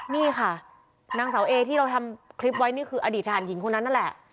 นี่ค่ะนางสาวเองที่เราทำคลิปไว้คืออดีตถ่านหญิงคุณนั่นแหละ